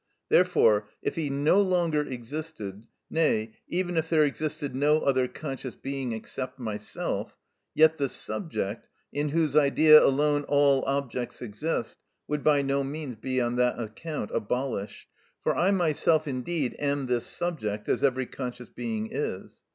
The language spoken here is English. Therefore, if he no longer existed, nay, even if there existed no other conscious being except myself, yet the subject, in whose idea alone all objects exist, would by no means be on that account abolished. For I myself indeed am this subject, as every conscious being is.